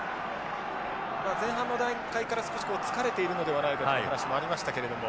前半の段階から少し疲れているのではないかという話もありましたけれども。